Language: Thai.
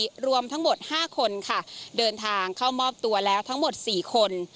รวมทั้งหมด๕คนค่ะเดินทางเข้ามอบตัวแล้วทั้งหมด๔คน